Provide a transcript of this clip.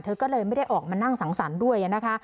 เธอก็เลยไม่ได้ออกมานั่งสังสรรค์ด้วยนะคะ